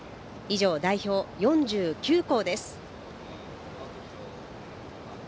以上、代表４９校です。